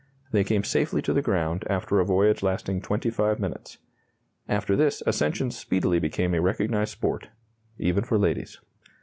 They came safely to the ground after a voyage lasting twenty five minutes. After this, ascensions speedily became a recognized sport, even for ladies.